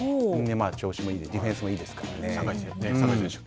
調子もいいディフェンスもいいですからね。